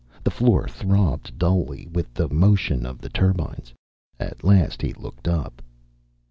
The floor throbbed dully with the motion of the turbines. At last he looked up.